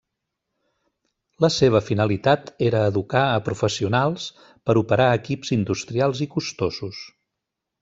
La seva finalitat era educar a professionals per operar equips industrials i costosos.